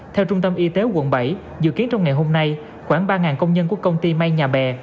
theo trung tâm y tế quận bảy dự kiến trong ngày hôm nay khoảng ba công nhân của công ty may nhà bè